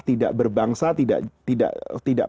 tidak berbangsa tidak